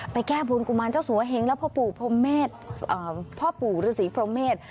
ไปแก้บวลกุมารเจ้าสวเหงและพ่อปู่ศรีโภเมษ